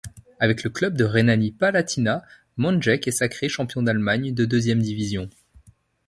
Avec le club de Rhénanie-Palatinat, Mandjeck est sacré champion d'Allemagne de deuxième division.